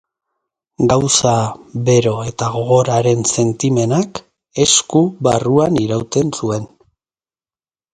Gauza bero eta gogor haren sentimenak esku barruan irauten zuen.